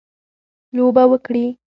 لوبه وکړي.